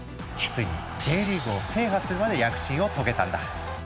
ついにＪリーグを制覇するまで躍進を遂げたんだ。